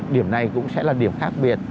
điểm này cũng sẽ là điểm khác biệt